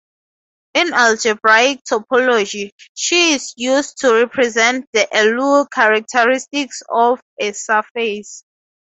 In algebraic topology, Chi is used to represent the Euler characteristic of a surface.